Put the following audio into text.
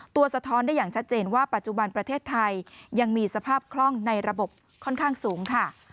สะท้อนได้อย่างชัดเจนว่าปัจจุบันประเทศไทยยังมีสภาพคล่องในระบบค่อนข้างสูงค่ะ